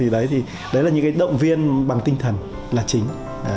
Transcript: đấy là những động viên bằng tinh thần là chính